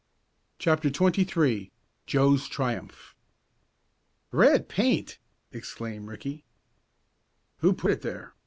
CHAPTER XXIII JOE'S TRIUMPH "Red paint!" exclaimed Ricky. "Who put it there?"